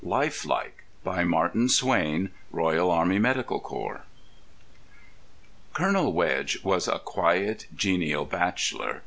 Life Like By Martin Swayne Royal Army Medical Corps Colonel Wedge was a quiet, genial bachelor.